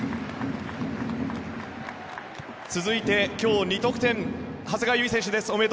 続いて今日２得点長谷川唯選手です。